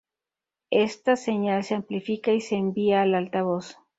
Esta señal se amplifica y se envía al altavoz.